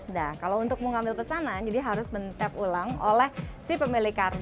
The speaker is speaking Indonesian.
nah kalau untuk mau ngambil pesanan jadi harus men tap ulang oleh si pemilik kartu